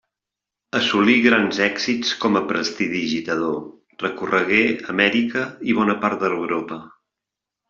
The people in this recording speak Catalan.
Assolí grans èxits com a prestidigitador: recorregué Amèrica i bona part d'Europa.